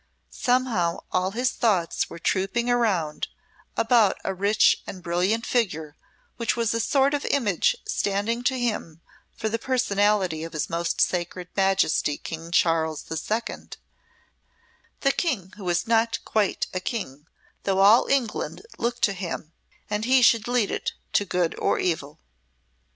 Somehow all his thoughts were trooping round about a rich and brilliant figure which was a sort of image standing to him for the personality of his Most Sacred Majesty King Charles the Second the King who was not quite a King, though all England looked to him, and he could lead it to good or evil.